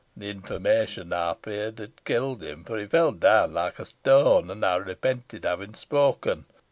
The information I feared had killed him, for he fell down like a stone and I repented having spoken.